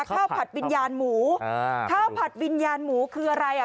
ผัดวิญญาณหมูอ่าข้าวผัดวิญญาณหมูคืออะไรอ่ะ